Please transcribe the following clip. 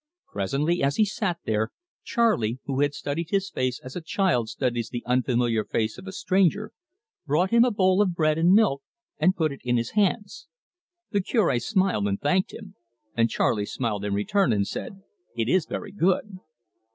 Presently, as he sat there, Charley, who had studied his face as a child studies the unfamiliar face of a stranger, brought him a bowl of bread and milk and put it in his hands. The Cure smiled and thanked him, and Charley smiled in return and said: "It is very good."